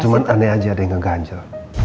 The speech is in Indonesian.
cuman aneh aja ada yang ngeganjel